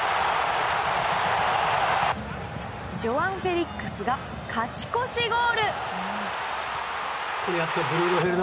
ジョアン・フェリックスが勝ち越しゴール！